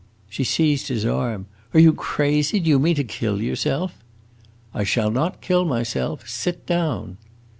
She seized his arm. "Are you crazy? Do you mean to kill yourself?" "I shall not kill myself. Sit down!"